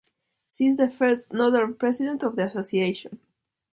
She is the first Northern President of the association.